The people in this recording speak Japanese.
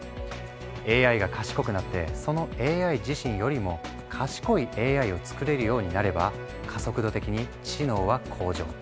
ＡＩが賢くなってそのＡＩ自身よりも賢いＡＩを作れるようになれば加速度的に知能は向上。